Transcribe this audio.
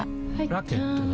ラケットは？